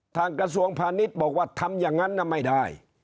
กระทรวงพาณิชย์บอกว่าทำอย่างนั้นไม่ได้